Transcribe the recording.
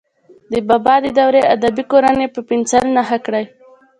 د بابا د دورې ادبي کورنۍ په پنسل نښه کړئ.